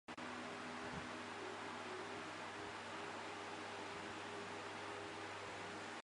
雷佛奴尔又名利凡诺。